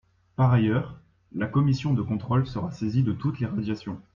Par ailleurs, la commission de contrôle sera saisie de toutes les radiations.